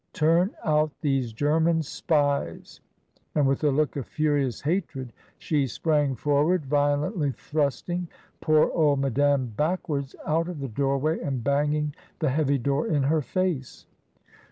Turn out these German spies," and, with a look of furious hatred, she sprang for ward, violently thmsting poor old Madame back wards out of the doorway and banging the heavy door in her face.